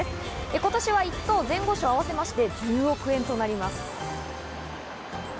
今年は１等前後賞合わせまして１０億円となります。